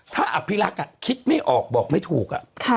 ถ้าอภิรักษ์คิดไม่ออกบอกไม่ถูก